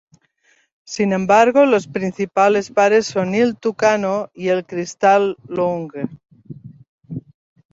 Sin embargo los principales bares son "Il Tucano" y el "Cristal Lounge".